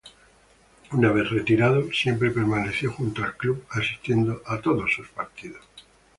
Una vez retirado, siempre permaneció junto al Club, asistiendo a todos sus partidos.